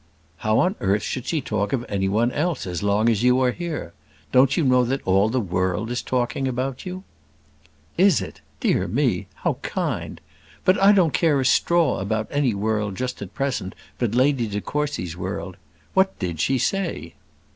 "How on earth should she talk of any one else as long as you are here? Don't you know that all the world is talking about you?" "Is it? dear me, how kind! But I don't care a straw about any world just at present but Lady de Courcy's world. What did she say?"